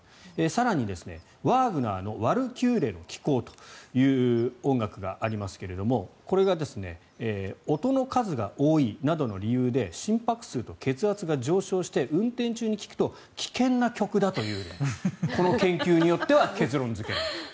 更に、ワーグナーの「ワルキューレの騎行」という音楽がありますけれどこれが音の数が多いなどの理由で心拍数と血圧が上昇して運転中に聴くと危険な曲だというこの研究によっては結論付けていると。